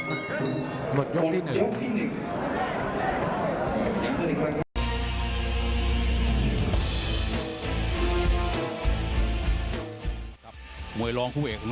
หมดยกที่หนึ่ง